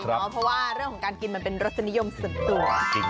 เพราะว่าเรื่องของการกินมันเป็นรสนิยมส่วนตัว